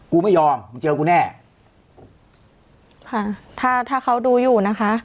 กูไม่ยอมมึงเจอกูแน่ค่ะถ้าถ้าเขาดูอยู่นะคะ